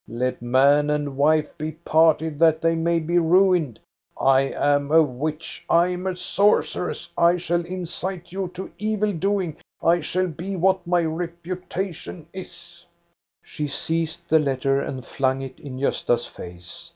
Let man and wife be parted, that they may be ruined ! I am a witch, I am a sorceress, I shall incite you to evil doing. I shall be what my reputation is." 470 THE STORY OF GOSTA BERLING She seized the letter and flung it in Gosta's face.